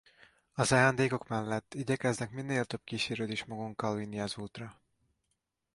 Az ajándékok mellett igyekeznek minél több kísérőt is magunkkal vinni az útra.